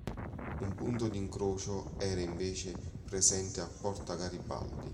Un punto di incrocio era invece presente a Porta Garibaldi.